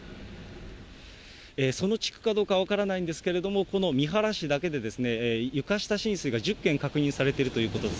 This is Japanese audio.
その地区かどうか分からないんですけれども、この三原市だけで、床下浸水が１０件確認されているということです。